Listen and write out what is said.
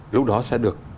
lúc đó sẽ được